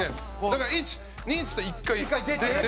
だから、「１、２」っつったら１回、出て。